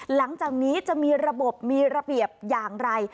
หลังจากนี้จะมีระบบมีระเบียบอย่างไร